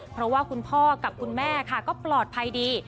เพราะว่าคุณพ่อกับคุณแม่ค่ะก็ปลอดภัยดี